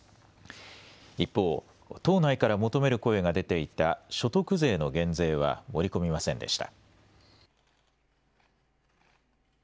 一方、党内から求める声が出ていた所得税の減税は盛り込みませんでした。